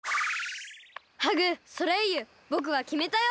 ハグソレイユぼくはきめたよ！